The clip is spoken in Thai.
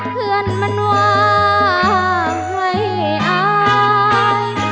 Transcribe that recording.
เพื่อนมันว่างให้อาย